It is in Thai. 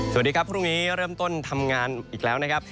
สวัสดีครับพรุ่งนี้เริ่มต้นทำงานอีกแล้วนะครับ